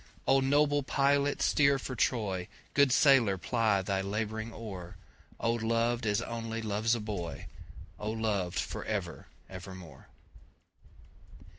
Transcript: O noble pilot steer for Troy, Good sailor ply the labouring oar,O loved as only loves a boy!O loved for ever evermore!